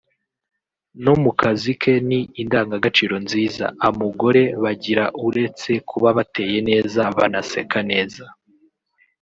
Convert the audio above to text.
no mu kazike ni indangagaciro nziza amugore bagira uretse kuba bateye neza banaseka neza